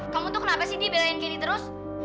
kamu tuh kenapa sih dia belain gini terus